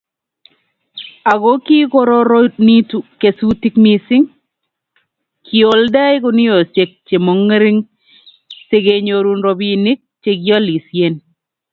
ako kikororonitu kesutik mising, kioldei guniosiek chemong'ering sokenyorun robinik chekiolisien